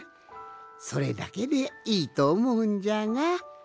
それだけでいいとおもうんじゃがどうかの？